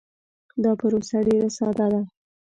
دا پروسه ډیر ساده ده.